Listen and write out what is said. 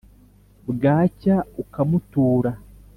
bwacya ukamutura